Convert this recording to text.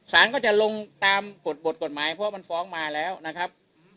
สารก็จะลงตามกฎบทกฎหมายเพราะมันฟ้องมาแล้วนะครับ